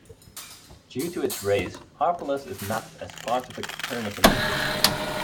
Due to its rays, Harpalus is mapped as part of the Copernican System.